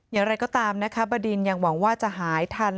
อย่างไรก็ตามนะคะบดินยังหวังว่าจะหายทัน